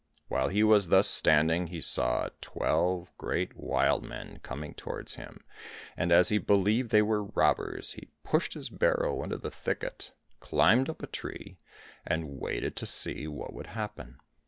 While he was thus standing he saw twelve great, wild men coming towards him, and as he believed they were robbers he pushed his barrow into the thicket, climbed up a tree, and waited to see what would happen.